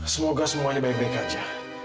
semoga semuanya baik baik saja